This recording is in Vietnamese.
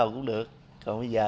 cũng được còn bây giờ